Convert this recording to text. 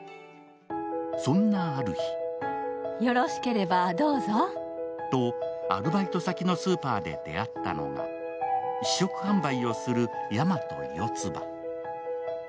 そんなある日とアルバイト先のスーパーで出会ったのが試食販売をする山戸四葉。